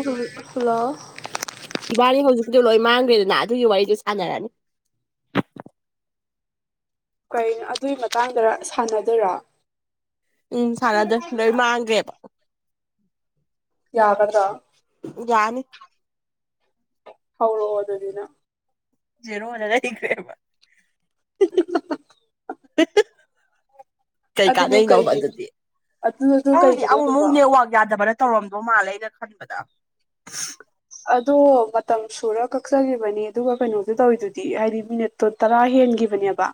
hello ꯍꯧ ꯑꯗꯨ ꯂꯣꯏ ꯃꯥꯡꯈ꯭ꯔꯦꯗꯅ ꯑꯗꯨꯒꯤ ꯋꯥꯔꯤꯗꯨ ꯁꯥꯟꯅꯔꯅꯤ ꯀꯣ ꯑꯗꯨꯒꯤ ꯃꯇꯥꯡꯗ ꯁꯥꯟꯅꯗꯣꯏꯔꯥ ꯎꯝ ꯁꯥꯟꯅꯗ ꯂꯣꯏ ꯃꯥꯡꯈ꯭ꯔꯦꯕ ꯌꯥꯒꯗ꯭ꯔꯥ ꯌꯥꯅꯤ ꯍ ꯑꯗꯨꯗꯤꯅ ꯖꯔꯣꯑꯣ ꯅꯗ ꯀ [unintelligible] ꯇꯠ ꯀꯩ ꯑꯗꯨꯕꯨ ꯀꯥꯟꯅꯩꯅꯣꯕ ꯀꯩꯒꯤꯅꯣ ꯑꯗꯨꯗꯤ ꯑꯗꯨꯗꯨ ꯈꯪꯗꯤ ꯀꯩꯒꯤꯅꯣ ꯑꯃꯨꯛ ꯑꯗꯨꯕꯣ ꯑꯃꯨꯛꯅꯦ ꯋꯥ ꯌꯥꯗꯕ꯭ꯔꯥ ꯇꯧꯔꯝꯗꯧ ꯃꯥꯜꯂꯦꯅ ꯈꯟꯕꯗ ꯑꯗꯣ ꯃꯇꯝ ꯁꯨꯔ ꯀꯛꯆꯈꯤꯕꯅꯤ ꯑꯗꯨꯒ ꯀꯩꯅꯣꯗꯨꯣ ꯇꯧꯋꯤꯗꯨꯗꯤ ꯍꯥꯏꯗꯤ ꯃꯤꯅꯤꯠꯇꯣ ꯇꯔꯥ ꯍꯦꯟꯒꯤ ꯕꯅꯕ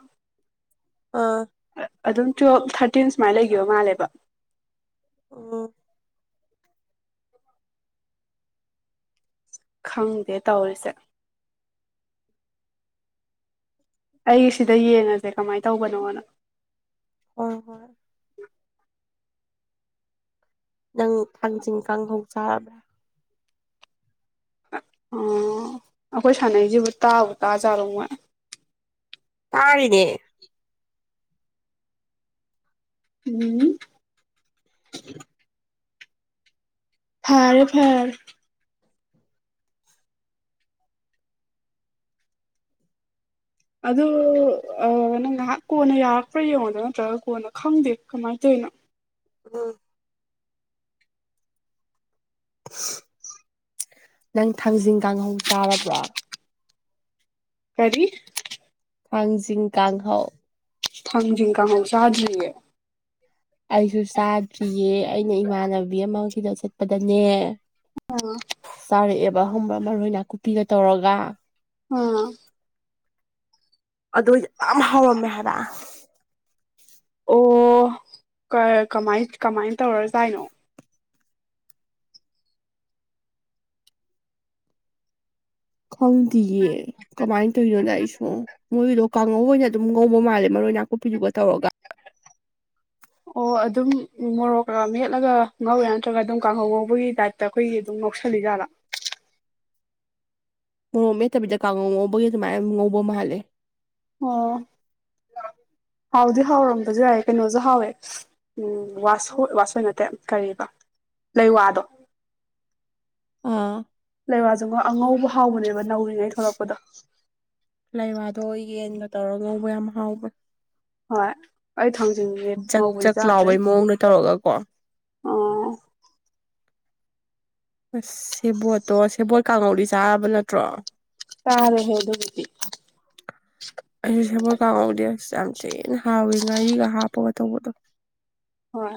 ꯑꯥ ꯑꯗꯨꯝ ꯇꯨꯋꯦꯜꯞ ꯊꯥꯔꯇꯤꯟ ꯁꯨꯃꯥꯏꯅ ꯂꯩꯈꯤꯕ ꯃꯥꯜꯂꯦꯕ ꯑ ꯈꯪꯗꯦ ꯇꯧꯔꯤꯁꯦ ꯑꯩ ꯁꯤꯗ ꯌꯦꯡꯉꯁꯦ ꯀꯃꯥꯏꯅ ꯇꯧꯕꯅꯣꯅ ꯍꯣꯏ ꯍꯣꯏ ꯅꯪ ꯊꯥꯡꯖꯤꯡ ꯀꯥꯡꯍꯧ ꯆꯥꯔꯕ꯭ꯔꯥ ꯑꯣ ꯑꯩꯈꯣꯏ ꯁꯥꯟꯅꯩꯁꯤꯕꯨ ꯇꯥꯕꯨ ꯇꯥꯖꯥꯔꯨ ꯃꯣꯏ ꯇꯥꯔꯤꯅꯦ ꯎꯝ ꯐꯔꯦ ꯐꯔ ꯑꯗꯨꯗ ꯅꯪ ꯉꯥꯏꯍꯥꯛ ꯀꯣꯟꯅ ꯌꯥꯔꯛꯄ꯭ꯔꯥ ꯌꯦꯡꯉꯣꯗꯣ ꯅꯠꯇ꯭ꯔꯒ ꯀꯣꯟꯅ ꯈꯪꯗꯦ ꯀꯃꯥꯏꯅ ꯇꯧꯋ [inaudible] ꯎꯝ [inaudible] ꯅꯪ ꯊꯥꯡꯖꯤꯡ ꯀꯥꯡꯍꯧ ꯆꯥꯔꯕ꯭ꯔꯣ ꯀꯔꯤ ꯊꯥꯡꯖꯤꯡ ꯀꯥꯡꯍꯧ ꯊꯖꯤꯡꯀꯥ ꯍꯜ ꯁꯥꯥꯖꯔꯤꯌꯦ ꯑꯩꯁꯨ ꯆꯥꯗ꯭ꯔꯤꯌꯦ ꯑꯩꯅ ꯏꯃꯥꯟꯅꯕꯤ ꯑꯃꯒꯤꯗ ꯆꯠꯄꯗꯅꯦ ꯑ ꯌꯥꯔꯛꯑꯦꯕ ꯍꯕ ꯃꯔꯣꯏ ꯅꯥꯀꯨꯞꯄꯤꯒ ꯇꯧꯔꯒ ꯑ ꯑꯗꯨ ꯌꯥꯝ ꯍꯥꯎꯔꯝꯃꯦ ꯍꯥꯏꯔ ꯑꯣꯃꯥꯏ ꯀꯃꯥꯏꯅ ꯇꯧꯔꯖꯗꯥꯏꯅꯣ ꯈꯪꯗꯌꯦ ꯀꯃꯥꯏꯅ ꯇꯧꯔꯤꯅꯣꯗ ꯑꯩꯁꯨ ꯃꯣꯏꯒꯤꯗꯣ ꯀꯥꯡꯉꯧ ꯑꯣꯏꯅ ꯑꯗꯨꯝ ꯉꯧꯕ ꯃꯥꯜꯂꯦ ꯃꯔꯣꯏ ꯅꯥꯀꯨꯞꯄꯤꯗꯨꯒ ꯇꯧꯔꯒ ꯑꯣ ꯑꯗꯨꯝ ꯃꯣꯔꯣꯛꯀ ꯃꯦꯠꯂꯒ ꯉꯧꯔꯦ ꯅꯠꯇ꯭ꯔꯒ ꯑꯗꯨꯝ ꯀꯥꯡꯍꯧ ꯉꯧꯕꯒꯤ ꯇꯥꯏꯞꯇ ꯑꯩꯈꯣꯏꯒꯤ ꯑꯗꯨꯝ ꯅꯣ ꯁꯂꯤꯖꯂ ꯃꯣꯔꯣ ꯅꯦꯠꯇꯕꯤꯗ ꯀꯥꯡꯉꯧ ꯉꯧꯕꯒꯤ ꯑꯗꯨꯃꯥꯏꯅ ꯉꯧꯕ ꯃꯥꯜꯂꯦ ꯑꯣ ꯍꯥꯎꯗꯤ ꯍꯥꯎꯔꯝꯕꯁꯨ ꯌꯥꯏꯦ ꯀꯩꯅꯣꯁꯨ ꯍꯥꯎꯋꯦ ꯎꯝ ꯋꯥꯁ ꯋꯥꯁꯣꯏ ꯅꯠꯇꯦ ꯀꯔꯤꯕ ꯂꯩꯋꯥꯗꯣ ꯑꯥ ꯂꯩꯃꯖꯨꯡꯒꯣ ꯑꯉꯧꯕꯕ ꯍꯥꯎꯕꯅꯦꯕ ꯅꯧꯔꯤꯉꯩ ꯊꯣꯛꯂꯛꯄꯗ ꯇꯧꯔ ꯉꯧꯕ ꯌꯥꯝ ꯍꯥꯎꯕ ꯍꯣꯏ ꯑꯩ ꯊꯥꯡꯖꯤꯡꯁꯦ ꯖꯛ ꯉꯧꯕꯗꯤ ꯖꯛ ꯆꯥꯗ꯭ꯔꯤ ꯂꯥꯎꯕꯩ ꯃꯑꯣꯡꯗ ꯇꯧꯔꯒꯀꯣ ꯑꯣ ꯑꯁ ꯁꯦꯕꯣꯠꯇꯣ ꯁꯦꯕꯣꯠ ꯀꯥꯡꯉꯧꯗꯤ ꯆꯥꯔꯕ ꯅꯠꯇ꯭ꯔꯣ ꯆꯥꯔꯦ ꯍꯦ ꯑꯗꯨꯕꯨꯗꯤ ꯀꯥꯎꯍꯧꯗꯦ ꯑꯁ ꯌꯥꯝ ꯊꯤꯅ ꯍꯥꯎꯋꯤ ꯉꯥꯔꯤꯒ ꯍꯥꯞꯄꯒ ꯇꯧꯕꯗꯣ ꯍꯣꯏ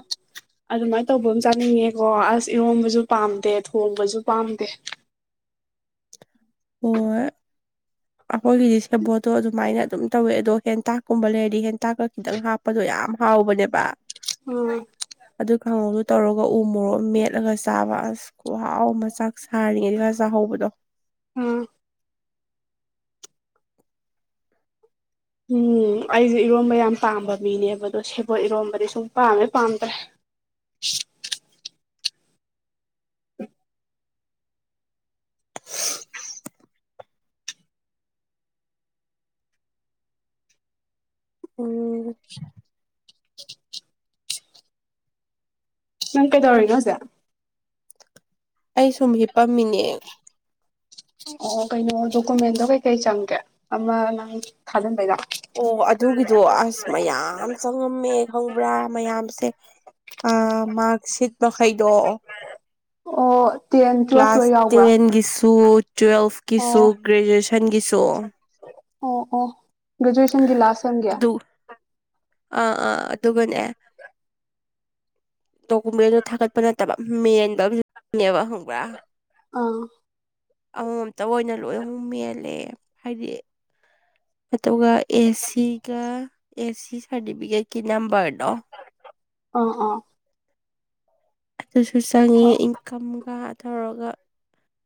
ꯑꯗꯨꯃꯥꯏꯅ ꯇꯧꯕ ꯑꯃ ꯆꯥꯅꯤꯡꯉꯦꯀꯣ ꯑꯁ ꯏꯔꯣꯝꯕꯁꯨ ꯄꯥꯝꯗꯦ ꯊꯣꯡꯕꯁꯨ ꯄꯥꯝꯗꯦ ꯑꯣ ꯑꯩꯈꯣꯏꯒꯤꯗꯤ ꯁꯦꯕꯣꯠꯇꯣ ꯑꯗꯨꯃꯥꯏꯅ ꯑꯗꯨꯝ ꯇꯧꯋꯦ ꯑꯗꯣ ꯍꯦꯟꯇꯥꯛꯀꯨꯝꯕ ꯂꯩꯔꯗꯤ ꯍꯦꯟꯇꯥꯛꯀ ꯈꯤꯇꯪ ꯍꯥꯞꯄꯗꯣ ꯌꯥꯝ ꯍꯥꯎꯕꯅꯦꯕ ꯎꯝ ꯑꯗꯨ ꯀꯥꯡꯍꯧꯗꯨ ꯇꯧꯔꯒ ꯎ ꯃꯣꯔꯣꯛꯃ ꯃꯦꯠꯂꯒ ꯆꯥꯕ ꯑꯁ ꯈꯍꯥꯎ ꯃ ꯆꯥꯛ ꯁꯥꯔꯤꯉꯩ ꯗꯒ ꯆꯥꯍꯧꯕꯗꯣ ꯎꯝ ꯎꯝ ꯑꯩꯁꯦ ꯏꯔꯣꯝꯕ ꯌꯥꯝ ꯄꯥꯝꯕ ꯃꯤꯅꯦꯕ ꯑꯗꯣ ꯁꯦꯕꯣꯠ ꯏꯔꯣꯟꯝꯕꯗꯤ ꯁꯨꯝ ꯄꯥꯝꯃꯦ ꯄꯥꯝꯗ꯭ꯔꯦ [inaudible] ꯎꯝ ꯅꯪ ꯀꯩꯗꯧꯔꯤꯅꫭ ꯍꯧꯖꯤꯛ ꯑꯩ ꯁꯨꯝ ꯍꯤꯞꯄꯝꯃꯤꯅꯦ ꯑꯣ ꯀꯩꯅꯣ ꯗꯣꯀꯨꯃꯦꯟꯗꯣ ꯀꯩꯀꯩ ꯆꯪꯒꯦ ꯑꯃ ꯅꯪꯒꯤ ꯊꯥꯖꯤꯟꯕꯩꯗꫭ ꯑꯣ ꯑꯗꯨꯒꯤꯗꯣ ꯑꯁ ꯃꯌꯥꯝ ꯆꯪꯉꯝꯃꯦ ꯈꯪꯕ꯭ꯔꯥ ꯃꯌꯥꯝꯁꯦ ꯑ ꯃꯥꫪꯛꯁꯤꯠ ꯃꯈꯩꯗꯣ ꯑꯣ ꯇꯦꯟ ꯇꯨꯋꯦꯜꯐ ꯂꯣꯏ ꯀ꯭ꯂꯥꯁ ꯌꯥꯎꯕ꯭ꯔꯥ ꯇꯦꯟꯒꯤꯁꯨ ꯇꯨꯋꯦꯜꯐꯀꯤꯁꯨ ꯑꯣ ꯒ꯭ꯔꯦꯖꯨꯋꯦꯁꯟꯒꯤꯁꯨ ꯑꯣ ꯑꯣ ꯒ꯭ꯔꯦꯖꯨꯌꯦꯁꯟꯒꯤ ꯂꯥꯁ ꯃꯟꯒꯤ ꯑꯗꯨ ꯑꯥ ꯑꯥ ꯑꯗꯨꯒꯅꯦ ꯗꫭꯀꯨꯝꯃꯦꯟꯗꯨ ꯊꯥꯒꯠꯄ ꯅꯠꯇꯕ ꯃꯦꯟꯕꯝ ꯅꯦ ꯍꯪꯕ꯭ꯔꯥ ꯑꯥ ꯑꯃꯝꯇꯪ ꯑꯣꯏꯅ ꯂꯣꯏꯅ ꯑꯃꯨꯛ ꯃꯦꯜꯂꯦ ꯍꯥꯏꯗꯤ ꯑꯗꯨꯒ ꯑꯦꯁꯤꯒ ꯑꯦꯁꯤ ꯁꯥꫪꯇꯤꯐꯤꯀꯦꯠꯀꯤ ꯅꯝꯕꫪꯗꯣ ꯑ ꯑ ꯑꯗꯨꯁꯨ ꯆꯪꯉꯤ ꯏꯟꯀꯝꯒ ꯇꯧꯔꯒ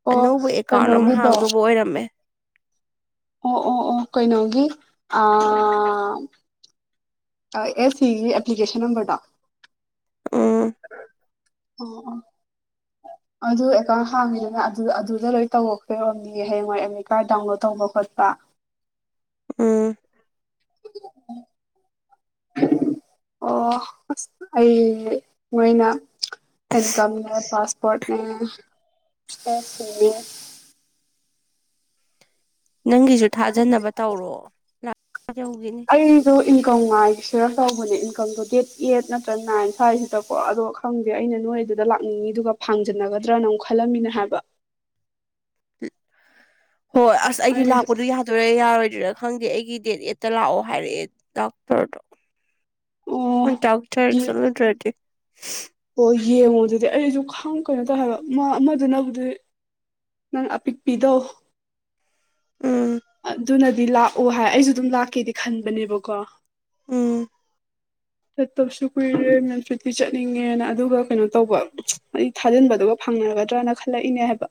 ꯑꯣ ꯑꯅꯧꯕ ꯑꯦꯀꯥꯎꯟ ꯑꯃ ꯀꯩꯅꯣꯒꯤꯗꯣ ꯍꯥꯡꯗꯨꯕ ꯑꯣꯏꯔꯝꯃꯦ ꯑꯣ ꯑꯣ ꯑꯣ ꯀꯩꯅꯣꯒꯤ ꯑ ꯑꯦ ꯁꯤꯒꯤ ꯑꯦꯄ꯭ꯂꯤꯀꯦꯁꯟ ꯅꯝꯕꫪꯗꯣ ꯎꯝ ꯑꯣ ꯑꫭ ꯑꯗꯨ ꯑꯦꯀꯥꯎꯟ ꯍꯥꯡꯉꯤꯗꯅ ꯑꯗꯨ ꯑꯗꯨꯗ ꯂꯣꯏ ꯇꯧꯔꯛꯇꯨꯑꫭꯏꯔꯣꯝꯅꯤ ꯍꯌꯦꯡꯋꯥꯏ ꯑꯦꯗꯃꯤꯇ ꯀꯥꫪꯠ ꯗꯥꯎꯟꯂꯣꯗ ꯇꯧꯕ ꯈꯣꯠꯄ [inaudible] ꯎꯝ [unintelligible] ꯑꯣ ꯑꯁ ꯑꯩ ꯃꯣꯏꯅ ꯏꯟꯀꯝꯅꯦ ꯄꯥꯁꯄꯣꫪꯠꯅꯦ [unintelligible] ꯅꯪꯒꯤꯁꯨ ꯊꯥꯖꯅꯕ ꯇꯧꯔꯣ ꯂꯥꯛ ꯑꯩꯁꯨ ꯏꯟꯀꯝ ꯉꯥꯏꯔꯤ ꯁꯤꯔ ꯇꯧꯕꯅꯦ ꯏꯟꯀꯝꯗꯣ ꯗꯦꯠ ꯑꯦꯠ ꯅꯠꯇ꯭ꯔꯒ ꯅꯥꯏꯟ ꯁ꯭ꯋꯥꯏꯁꯤꯗꯀꯣ ꯑꯗꯣ ꯈꯪꯗꯦ ꯑꯩꯅ ꯅꯣꯏ ꯑꯗꯨꯗ ꯂꯥꯛꯅꯤꯡ ꯉꯥꯗꯨꯒ ꯐꯥꯡꯖꯟꯅꯒꯗ꯭ꯔꯅ ꯑꯃꯨꯛ ꯈꯜꯂꯝꯃꯤꯅꯦ ꯍꯥꯏꯕ ꯍꯣꯏ ꯑꯁ ꯑꯩꯗꯤ ꯑꯩꯗꯣ ꯂꯥꯛꯄꯗꯨ ꯌꯥꯗꯣꯏꯔ ꯌꯥꯔꯣꯏ ꯗꯨꯔ ꯈꯪꯗꯦ ꯑꯩꯒꯤ ꯗꯦꯠ ꯑꯦꯠꯇ ꯂꯥꯛꯑꯣ ꯍꯥꯏꯔꯛꯑꯦ ꯗꯥꯛꯇꫪꯗꯣ ꯑꯣ ꯗꯥꯛꫪ ꯆꯠꯂꯨꯗ꯭ꯔꯗꯤ ꯑꯣ ꯌꯦꯡꯉꯣ ꯑꯗꯨꯗꯤ ꯑꯩꯁꯨ ꯈꯪ ꯀꯩꯅꯣ ꯇꯧ ꯍꯥꯏꯕ ꯑꯃꯗꯨꯅꯕꯨꯗꯤ ꯅꯪ ꯑꯄꯤꯛꯄꯤꯗꯣ ꯎꯝ ꯑꯗꯨꯅꯗꯤ ꯂꯥꯛꯑꯣ ꯍꯥꯏ ꯑꯩꯁꯨ ꯑꯗꯨꯝ ꯂꯥꯛꯀꯦꯗꯤ ꯈꯟꯕꯅꯦꯕꯀꯣ ꯎꯝ [inaudible] ꯆꯠꯇꯕꯁꯨ ꯀꯨꯏꯔꯦ ꯃꯟꯐꯤꯠꯇꯤ ꯆꯠꯅꯤꯡꯉꯦꯅ ꯑꯗꯨꯒ ꯀꯩꯅꯣ ꯇꯧꯕ ꯑꯩ ꯊꯥꯖꯤꯟꯕꯗꯨꯒ ꯐꯪꯉꯅꯤ ꯐꯒꯗꯔꯅ ꯈꯜꯂꯛꯏꯅꯦ ꯍꯥꯏꯕ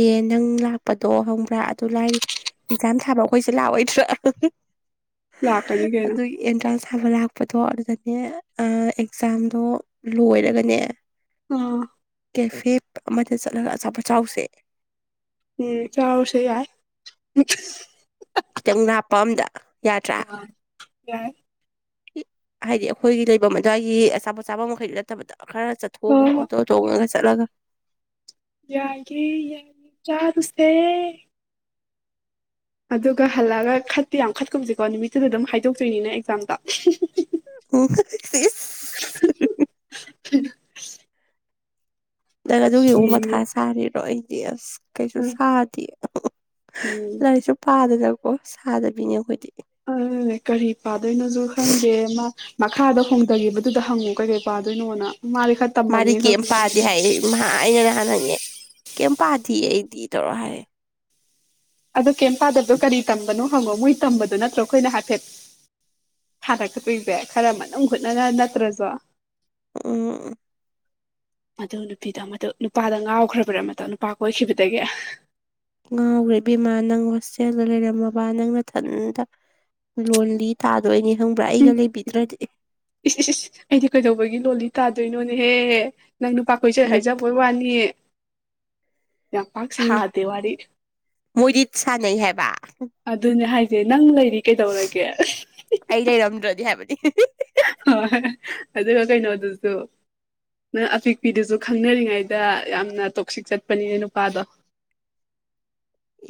ꯑꯦ ꯅꯪ ꯂꯥꯛꯄꯗꯣ ꯈꯪꯕꯔ ꯑꯗꯨ ꯂꯥꯏꯔꯤ ꯑꯦꯛꯖꯥꯝ ꯊꯥꯕ ꯑꯩꯈꯣꯏꯁꯦ ꯂꯥꯛꯑꯣꯏꯗ꯭ꯔꯥ ꯂꯥꯛꯀꯅꯤ ꯀꯩꯅꯣ ꯑꯗꯨꯒꯤ ꯑꯦꯟꯇ꯭ꯔꯥꯟꯁ ꯊꯥꯕ ꯂꯥꯛꯄꯗꯣ ꯑꯗꯨꯗ ꯑꯦꯛꯖꯥꯝꯗꯣ ꯂꯣꯏꯔꯒꯅꯦ ꯑꯥ ꯀꯦꯐꯦ ꯑꯃꯗ ꯆꯠꯂꯒ ꯑꯆꯥꯄꯣꯠ ꯑꯆꯥꯔꯨꯁꯦ ꯎꯝ ꯆꯁꯦ ꯌꯥ ꯈꯤꯇꯪ ꯍꯥꯞꯄ ꯑꯝꯗ ꯌꯥꯗ꯭ꯔꯥ ꯑ ꯌꯥꯏ ꯍꯥꯏꯗꯤ ꯑꯩꯈꯣꯏꯒꯤ ꯂꯩꯐꯝ ꯑꯗꯨꯋꯥꯏꯒꯤ ꯑꯆꯥꯄꯣꯠꯆꯥꯐꯝ ꯃꯈꯩꯗꯨ ꯅꯠꯇꯕꯗ ꯈꯔ ꯆꯠꯊꯣꯛꯑꯒ ꯍꯣꯏ ꯍꯣꯏ ꯑꯣꯇꯣ ꯇꯣꯡꯉꯥꯒ ꯆꯠꯂꯒ ꯌꯥꯏꯌꯦ ꯌꯥꯏꯌꯦ ꯆꯥꯔꯨꯁꯦ ꯑꯗꯨꯒ ꯍꯜꯂꯛꯑꯒ ꯈꯠꯇꯤ ꯌꯥꯝ ꯈꯠꯀꯨꯝꯁꯦꯀꯣ ꯅꯨꯃꯤꯠꯇꯨꯗ ꯑꯗꯨꯝ ꯍꯥꯏꯗꯣꯛꯇꯨꯏꯅꯤꯅ ꯑꯦꯛꯖꯥꯝꯗꯣ ꯑꯣ [unintelligible] ꯅꯪ ꯑꯗꯨꯒꯤ ꯃꯨꯛ ꯃꯊꯥ ꯎꯝ ꯁꯥꯔꯤꯔꯣ ꯀꯩꯁꯨ ꯁꯥꯗꯦ ꯎꯝ ꯂꯥꯏꯔꯤꯛꯁꯨ ꯄꯥꯗꯅꯀꯣ ꯁꯥꯗꯕꯤꯅꯦ ꯑꯩꯈꯣꯏꯗꯤ ꯑ ꯀꯔꯤ ꯄꯥꯗꯣꯏꯅꯣꯁꯨ ꯈꯪꯗꯦ ꯃꯥ ꯃꯈꯥꯗ ꯍꯣꯡꯊꯈꯤꯕꯗꯨꯗ ꯍꯪꯉꯣ ꯀꯩꯀꯩ ꯄꯥꯗꯣꯏꯅꯣꯅ ꯃꯥꯗꯤ ꯈꯔ ꯃꯥꯗꯤ ꯇꯝꯃꯝꯅꯤ ꯈꯔ ꯀꯩꯝ ꯄꯥꯗꯤ ꯍꯥꯏ ꯈꯪꯉꯝꯃꯅꯤꯅ ꯑꯩꯅ ꯅꯍꯥꯟ ꯍꯪꯉꯦ ꯀꯩꯝ ꯄꯥꯗꯤ ꯑꯩꯗꯤ ꯇꯧꯔꯣ ꯍꯥꯏꯌꯦ ꯑꯗꯣ ꯀꯩ ꯄꯥꯗꯕꯗꯣ ꯀꯔꯤ ꯇꯝꯕꯅꯣ ꯍꯪꯉꯣ ꯃꯣꯏ ꯇꯝꯕꯗꯣ ꯅꯠꯇ꯭ꯔꯣ ꯑꯩꯈꯣꯏꯅ ꯍꯥꯏꯐꯦꯠ ꯊꯥꯔꯛꯀꯗꯣꯏꯁꯦ ꯈꯔ ꯃꯅꯨꯡ ꯍꯨꯠꯅ ꯅꯠꯇ꯭ꯔꯁꯨ ꯎꯝ ꯃꯗꯨ ꯅꯨꯄꯤꯗ ꯃꯗꯨ ꯅꯨꯄꯥꯗ ꯉꯥꯎꯈ꯭ꯔꯕ꯭ꯔꯥ ꯃꯗꯣ ꯅꯨꯄꯥ ꯀꯣꯏꯈꯤꯕꯗꯒꯤ ꯉꯥꯎꯈ꯭ꯔꯦ ꯏꯕꯦꯝꯃ ꯅꯪ ꯍꯣꯁꯇꯦꯜꯗ ꯂꯩꯔꯝꯃꯕ ꯅꯪ ꯃꯊꯟꯇ ꯂꯣ ꯂꯤ ꯊꯥꯗꯣꯏꯅꯦ ꯈꯪꯕ꯭ꯔꯥ ꯑꯩꯒ ꯎꯝ ꯂꯩꯕꯤꯗ꯭ꯔꯗꯤ ꯏꯁ ꯑꯦꯁ ꯑꯩꯗꯤ ꯀꯩꯗꯧꯕꯒꯤ ꯂꯣꯜꯂꯤ ꯇꯥꯗꯣꯏꯅꯣꯅꯦꯍꯦ ꯅꯪ ꯅꯨꯄꯥ ꯀꯣꯏꯖꯩ ꯍꯥꯏꯖꯕꯩ ꯋꯥꯅꯤ ꯌꯥꯝ ꯄꯥꯛ ꯑꯦ ꯁꯥꯗꯦ ꯋꯥꯔꯤ ꯃꯣꯏꯗꯤ ꯁꯥꯟꯅꯩ ꯍꯥꯏꯕ ꯑꯗꯨꯅꯦ ꯍꯥꯏ ꯁꯦ ꯅꯪ ꯂꯩꯔꯤ ꯀꯩꯗꯧꯔꯒꯦ ꯑꯩ ꯂꯩꯔꯝꯗ꯭ꯔꯗꯤ ꯍꯥꯏꯕꯅꯤ ꯍꯣꯏ ꯑꯗꯨꯒ ꯀꯩꯩꯅꯣꯗꯁꯨ ꯅꯪ ꯑꯄꯤꯛꯄꯤꯗꯨꯁꯨ ꯈꯪꯅꯔꯤꯉꯩꯗ ꯌꯥꯝꯅ ꯇꯣꯛꯁꯤꯛ ꯆꯠꯄꯅꯤꯅꯦ ꯅꯨꯄꯥꯗꯣ [unintelligible]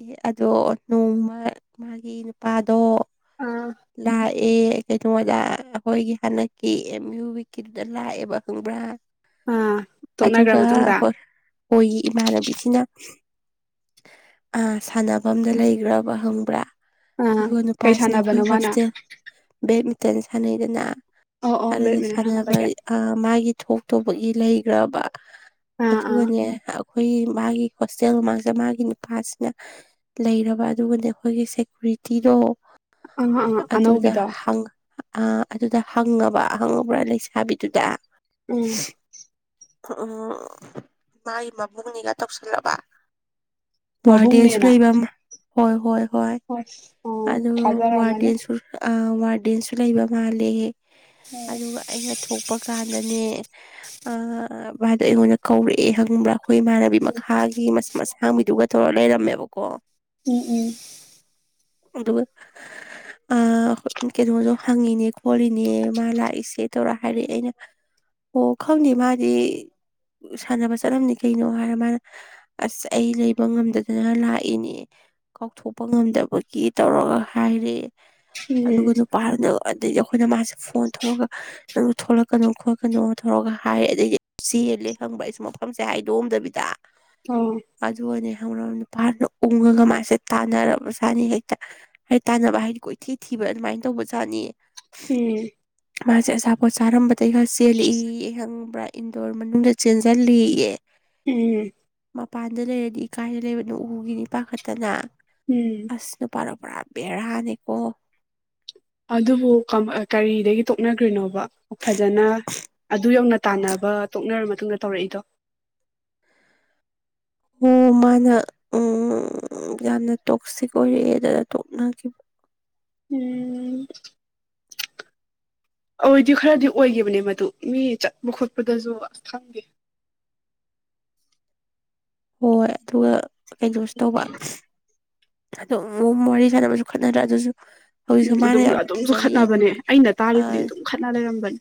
ꯑꯦ ꯑꯗꯣ ꯅꯣꯡꯃ ꯃꯥꯒꯤ ꯅꯨꯄꯥꯗꯣ ꯑꯥ ꯂꯥꯏ ꯑꯦ ꯀꯩꯩꯅꯣꯗ ꯑꯩꯈꯣꯏꯒꯤ ꯍꯟꯗꯛꯀꯤ ꯑꯦꯝ ꯌꯨ ꯋꯤꯛꯀꯤꯗꯨꯗꯥ ꯈꯪꯕ꯭ꯔꯥ ꯑꯥ ꯇꯣꯛꯅꯈ꯭ꯔ ꯑꯗꯨꯒ ꯃꯇꯨꯡꯗ ꯍꯣꯏ ꯍꯣꯏꯒꯤ ꯏꯃꯥꯟꯅꯕꯤꯁꯤꯅ ꯑꯥ ꯁꯥꯟꯅꯐꯝꯗ ꯂꯩꯈ꯭ꯔꯕ ꯈꯪꯕ꯭ꯔꯥ ꯑꯥ ꯑꯗꯨꯒ ꯀꯩ ꯅꯨꯄꯥꯁꯤꯅ ꯑꯩꯈꯣꯏ ꯁꯥꯟꯅꯕꯅꯣ ꯃꯥꯅ ꯍꯣꯁꯇꯦꯜ ꯕꯦꯠꯃꯤꯟꯇꯟ ꯁꯥꯟꯅꯩꯗꯅ ꯑꯣ ꯑꯣ ꯑꯗꯨꯗꯥ ꯕꯦꯠꯃꯤꯟꯇꯟ ꯁꯅꯕ ꯁꯥꯟꯅꯕꯒꯤ ꯑ ꯃꯥꯒꯤ ꯊꯣꯛꯇꯨꯕꯒꯤ ꯂꯩꯈ꯭ꯔꯕ ꯑꯥ ꯑꯥ ꯑꯗꯨꯒꯅꯦ ꯑꯩꯈꯣꯏꯒꯤ ꯃꯥꯒꯤ ꯍꯣꯁꯇꯦꯜ ꯃꯃꯥꯡꯁꯦ ꯃꯥꯒꯤ ꯅꯨꯄꯥꯁꯦ ꯂꯩꯔꯕ ꯑꯗꯨꯒꯅꯦ ꯑꯩꯈꯣꯏꯒꯤ ꯁꯦꯀꯨꯔꯤꯇꯤꯗꯣ ꯑꯥ ꯑꯥ ꯑꯗꯨꯗ ꯑꯅꯧꯕꯤꯗꯣ ꯍ ꯑ ꯑꯗꯨꯗ ꯍꯪꯉꯕ ꯍꯪꯉꯕ꯭ꯔꯥ ꯂꯩꯁꯥꯕꯤꯗꯨꯗ ꯎꯝ ꯎ ꯎ ꯃꯥꯒꯤ ꯃꯕꯨꯡꯅꯤꯒ ꯇꯧꯁꯜꯂꯕ ꯋꯥꯔꯗꯦꯟꯁꯨ ꯃꯕꯨꯡꯅꯦꯅ ꯂꯩꯕ ꯑꯃ ꯍꯣꯏ ꯍꯣꯏ ꯍꯣꯏ ꯑꯁ ꯑꯣ ꯑꯗꯨ ꯊꯥꯖꯔꯝꯃꯅꯤ ꯋꯥꯔꯗꯁꯨ ꯋꯥ ꯗꯦꯟꯁꯨ ꯂꯩꯕ ꯃꯥꯜꯂꯦ ꯑꯗꯨꯒ ꯑꯩꯅ ꯊꯣꯛꯄ ꯀꯥꯟꯗꯅꯦ ꯑ ꯚꯥꯏꯗꯣ ꯑꯩꯉꯣꯟꯗ ꯀꯧꯔꯛꯑꯦ ꯍꯪꯕ꯭ꯔꯥ ꯑꯩꯈꯣꯏ ꯏꯃꯥꯟꯅꯕꯤ ꯃꯈꯥꯒꯤ ꯃꯁꯥꯡꯕꯤꯗꯨꯒ ꯇꯧꯔ ꯂꯩꯔꯝꯃꯦꯕꯀꯣ ꯎꯝ ꯎꯝ ꯑꯗꯨ ꯑ ꯀꯩꯅꯣꯁꯨꯣ ꯍꯪꯉꯤꯅꯦ ꯈꯣꯠꯂꯤꯅꯦ ꯃꯥ ꯂꯥꯛꯏꯁꯦ ꯇꯧꯔ ꯍꯥꯏꯔꯛꯑꯦ ꯑꯩꯅ ꯑꯣ ꯈꯥꯎꯅꯤ ꯃꯥꯗꯤ ꯁꯥꯟꯅꯕ ꯆꯠꯂꯝꯅꯤ ꯀꯩꯅꯣ ꯍꯥꯏꯔ ꯃꯥꯅ ꯑꯁ ꯑꯩ ꯂꯩ ꯉꯝꯗꯗꯅ ꯂꯥꯛꯏꯅꯦ ꯀꯥꯎꯊꯣꯛꯄ ꯉꯝꯗꯕꯒꯤ ꯇꯧꯔꯒ ꯍꯥꯏꯔꯦ ꯎꯝ ꯑꯗꯨꯒꯥ ꯅꯨꯄꯥꯗꯨꯅ ꯑꯗꯩꯗꯤ ꯑꯩꯈꯣꯏꯅ ꯃꯥꯁꯦ ꯐꯣꯟ ꯊꯧꯔꯒ ꯅ ꯊꯣꯛꯣꯂꯛꯀꯅꯣ ꯈꯣꯠꯀꯅꯣ ꯊꯧꯔꯒ ꯍꯥꯏ ꯑꯗꯩ ꯁꯤ ꯍꯦꯜꯂꯦ ꯈꯪꯕ꯭ꯔ ꯑꯩꯁꯨ ꯃꯐꯝꯁꯦ ꯍꯥꯏꯗꯣꯛꯑꯝꯗꯕꯤꯗ ꯑ ꯍꯧꯔ ꯅꯨꯄꯥꯅ ꯎꯡꯉꯒ ꯃꯥꯁꯦ ꯇꯥꯟꯅꯔꯕꯖꯥꯅꯤ ꯍꯦꯛꯇ ꯍꯥꯏ ꯇꯥꯟꯅꯕ ꯍꯥꯏꯗꯤ ꯀꯣꯏꯊꯤ ꯊꯤꯕ꯭ꯔ ꯑꯗꯨꯃꯥꯏꯅ ꯇꯧꯕ ꯆꯥꯠꯅꯤ ꯎꯝ ꯃꯥꯁꯦ ꯑꯆꯥꯄꯣꯠ ꯆꯥꯔꯝꯕꯗꯒꯤꯩ ꯈ ꯆꯦꯜꯂꯛꯏꯍꯪꯕ꯭ꯔꯥ ꯏꯟꯗꯣꯔ ꯃꯅꯨꯡꯗ ꯆꯦꯟꯁꯤꯜꯂꯤꯑ ꯎꯝ ꯃꯄꯥꯟꯗ ꯂꯩꯔꯗꯤ ꯏ ꯀꯥꯏꯗ ꯂꯩꯕꯅꯣ ꯎꯨꯒꯤꯅꯤ ꯄꯥꯈꯠꯇꯅ ꯎꯝ ꯑꯁꯅ ꯄꯥꯔꯛꯄ ꯄꯨꯔꯥ ꯕꯦꯔꯥꯅꯤꯀꯣ ꯑꯗꯨꯕꯨ ꯀꯔꯤꯗꯒꯤ ꯇꯣꯛꯅꯈ꯭ꯔꯤꯅꯣꯕ ꯐꯖꯅ ꯑꯗꯨ ꯌꯧꯅ ꯇꯥꯟꯅꯕ ꯇꯣꯛꯅꯔ ꯃꯇꯨꯡꯗ ꯇꯧꯔꯛꯏꯗꯣ ꯍ ꯃꯥꯅ ꯎꯝ ꯎ ꯌꯥꯝꯅ ꯇꯣꯛꯁꯤ ꯀꯣꯏꯔꯑꯦ ꯑꯗꯨꯅ ꯇꯣꯛꯅꯈꯤꯕ ꯎꯝ ꯑꯣꯏꯗꯤ ꯈꯔꯗꯤ ꯑꯣꯏꯈꯤꯕꯅꯦ ꯃꯗꯨ ꯃꯤ ꯆꯠꯄ ꯈꯣꯠꯄꯗꯁꯨ ꯑꯁ ꯈꯪꯗꯦ ꯍꯣꯏ ꯑꯗꯨꯒ ꯀꯩꯅꯣꯁꯨ ꯇꯧꯕ ꯑꯗꯨ ꯋꯥꯔꯤ ꯁꯥꯟꯅꯕꯁꯨ ꯈꯠꯅꯗ꯭ꯔꯥ ꯑꯗꯨꯁꯨ ꯍꯧꯖꯤꯛꯁꯨ ꯎꯝ ꯃꯥꯅ ꯑꯗꯨꯝ ꯌꯥꯝ ꯑꯗꯨꯝꯁꯨ ꯊꯤꯖꯔꯤ ꯈꯠꯅꯕꯅꯦ ꯑꯩꯅ ꯇꯥꯔꯤ ꯑ ꯈꯨꯗꯤꯡ ꯑꯗꯨꯝ ꯈꯠꯅ ꯂꯩꯔꯝꯕꯅꯦ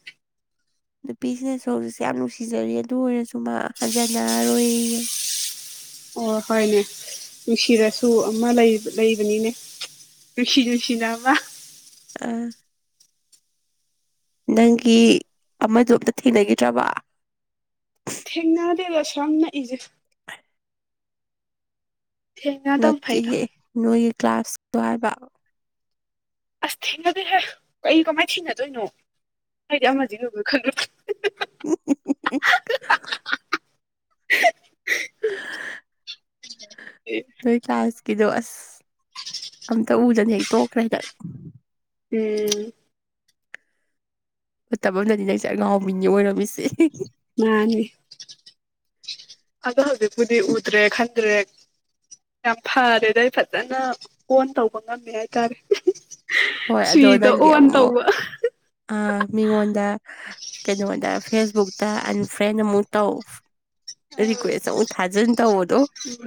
ꯅꯨꯄꯤꯁꯤꯅꯁꯨ ꯍꯧꯖꯤꯛꯁꯦ ꯌꯥꯝ ꯅꯨꯡꯁꯤꯖꯔꯤ ꯑꯗꯨ ꯑꯣꯏꯔꯁꯨ ꯃꯥ ꯍꯟꯖꯅꯔꯣꯏ ꯑꯣ ꯍꯣꯏꯅꯦ ꯅꯨꯡꯁꯤꯔꯁꯨ ꯑꯃ ꯂꯩꯕꯅꯤꯅꯦ ꯨꯅꯨꯁꯤꯤ ꯨꯁꯤꯃ ꯑꯃ ꯑꯥ ꯅꯪꯒꯤ ꯑꯃꯗꯣ ꯑꯝꯇ ꯊꯦꯡꯅꯈꯤꯗ꯭ꯔꯕ ꯊꯦꯡꯅꯔꯗꯦꯗ ꯁꯝꯅꯏꯁꯦ ꯊꯦꯡꯅꯗꯕ ꯐꯩꯗ ꯅꯠꯇꯤꯦ ꯅꯣꯏꯒꯤ ꯀ꯭ꯂꯥꯁꯗꯥꯏꯕ ꯑꯁ ꯊꯦꯡꯅꯗꯦꯍꯦ ꯀꯩ ꯀꯃꯥꯏ ꯊꯤꯅꯗꯣꯏꯅꯣ ꯍꯥꯏꯗꯤ ꯑꯃꯗꯤ ꯂꯨꯒ ꯈꯜꯂꯨ [inaudible] ꯑꯗꯨꯣꯏ ꯀꯁ ꯀꯤꯗꯣ ꯑꯁ ꯑꯝꯇ ꯎꯗꯅ ꯍꯦꯛ ꯇꯣꯛꯈ꯭ꯔꯦ ꯍꯦꯗ ꯎꯝ ꯃꯇꯝ ꯑꯃꯗꯗꯤ ꯅꯪꯁꯦ ꯑꯉꯥꯎꯕꯤꯅꯤ ꯑꯣꯏꯔꯝꯃꯤꯁꯦ ꯃꯥꯅꯤ ꯑꯗꯣ ꯍꯧꯖꯤꯛꯄꯨꯗꯤ ꯎꯗ꯭ꯔꯦ ꯈꯟꯗ꯭ꯔꯦ ꯌꯥꯝ ꯐꯔꯦꯗ ꯑꯩ ꯐꯖꯅ ꯀꯣꯟ ꯇꯧꯕ ꯉꯝꯃꯦ ꯍꯥꯏꯇꯥꯔꯦ ꯍꯣꯏ ꯑꯗꯣ ꯁꯤꯗ ꯅꯪꯒꯤ ꯑꯣꯟ ꯑꯃꯨꯛꯃꯨꯛ ꯇꯧꯕ ꯑ ꯃꯤꯉꯣꯟꯗ ꯀꯩꯅꯣꯗ ꯐꯦꯁꯕꯨꯛꯇ ꯐ꯭ꯔꯦꯟ ꯑꯃꯨꯛ ꯇꯧ ꯔꯤꯀ꯭ꯋꯦꯁ ꯑꯃꯨꯛ ꯊꯥꯖꯟ ꯇꯧ ꯎꯝ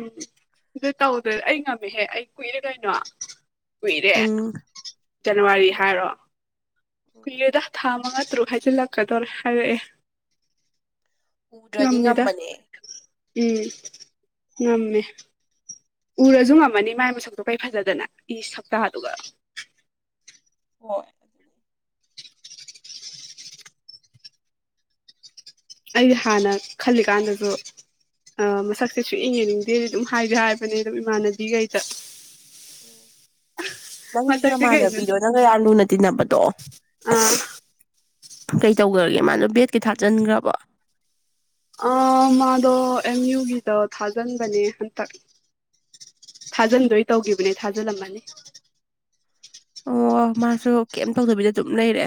ꯑꯗꯨ ꯇꯧꯗꯣꯏ ꯑꯩ ꯉꯝꯃꯦꯍꯦ ꯑꯩ ꯀꯨꯏꯔꯦ ꯀꯩꯅꯣ ꯀꯨꯏꯔꯦ ꯎꯝ ꯖꯅꯋꯥꯔꯤ ꯍꯥꯏꯔꯣ ꯀꯨꯏꯔꯦꯗ ꯊꯥ ꯑꯠꯇ꯭ꯔꯨ ꯍꯥꯏꯖꯤ ꯂꯥꯛ ꯀꯗꯧꯔ ꯍꯥꯏꯔꯦ ꯎꯗ꯭ꯔꯗꯤ ꯉꯝꯕꯅꯦ ꯎꯝ ꯅꯃꯦ ꯎꯔꯁꯨ ꯉꯝꯃꯅꯤ ꯃꯥꯏ ꯃꯁꯛꯇꯣ ꯀꯔꯤ ꯐꯖꯗꯅ ꯏ ꯁꯞꯇꯥꯗꯨꯒ ꯍ ꯑꯗꯨ ꯑꯗꯨ ꯑꯩ ꯍꯥꯟꯅ ꯈꯜꯂꯤꯀꯥꯟꯗꯁꯨ ꯑ ꯃꯁꯛꯁꯦ ꯁꯑ ꯌꯦꯡꯅꯤꯡꯗꯦꯗꯤ ꯑꯗꯨꯝ ꯍꯥꯏꯁꯦ ꯍꯥꯏꯕꯅꯦ ꯑꯗꯨꯝ ꯏꯃꯥꯟꯅꯕꯤꯈꯩꯗ ꯎ ꯅꯪ ꯃꯁꯛꯁꯦ ꯀꯩꯅꯣ ꯅꯃꯥꯟꯅꯕꯤꯗꯣ ꯅꯪꯒ ꯌꯥꯝ ꯂꯨꯅ ꯇꯤꯟꯅꯕꯗꯣ ꯑꯥ ꯀꯩ ꯇꯧꯈ꯭ꯔꯒꯦ ꯃꯥꯗꯣ ꯕꯦꯠ ꯀꯩ ꯊꯥꯆꯟꯈ꯭ꯔꯕ ꯃꯥꯗꯣ ꯑꯦꯝ ꯌꯨꯒꯤꯗ ꯊꯥꯖꯤꯟꯕꯅꯦ ꯍꯟꯇꯛ ꯊꯥꯖꯤꯟꯗꯣꯏ ꯇꯧꯈꯤꯕꯅꯦ ꯊꯥꯖꯤꯜꯂꯝꯃꯅꯤ ꯑꯣ ꯃꯥꯁꯨ ꯀꯩꯝ ꯇꯧꯗꯕꯤꯗ ꯑꯗꯨꯝ ꯂꯩꯔꯦ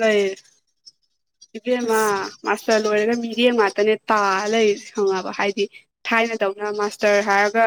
ꯂꯩꯣꯏ ꯏꯦ ꯃꯥ ꯑꯁ ꯃꯥꯁꯜ ꯂꯣꯏꯔꯒ ꯃꯤꯔꯦ ꯉꯥꯛꯇꯅꯦ ꯇꯥ ꯂꯩ ꯈꯪꯉꯕ ꯍꯥꯏꯗꯤ ꯊꯥꯏꯅꯗꯧꯅ ꯃꯥꯁꯇꯔ ꯍꯥꯏꯔꯒ